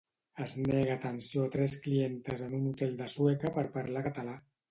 Es nega atenció a tres clientes en un hotel de Sueca per parlar català